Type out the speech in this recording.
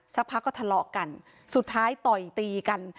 สักพักก็ทะเลาะกันสุดท้ายต่อยตีกัน